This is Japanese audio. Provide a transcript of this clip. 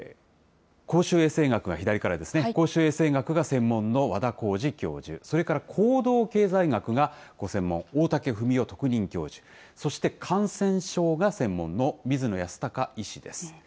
左からですね、公衆衛生学が専門の和田耕治教授、それから行動経済学がご専門、大竹文雄特任教授、そして感染症が専門の水野泰孝医師です。